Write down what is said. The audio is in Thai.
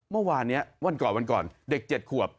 เมื่อวานเนี่ยวันก่อนเด็ก๗ขวบ